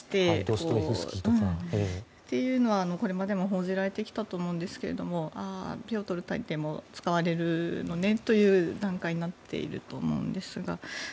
そういうのはこれまでも報じられてきたと思うんですけどピョートル大帝も使われるのねという段階になっていると思うんですが。